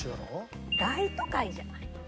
『大都会』じゃない？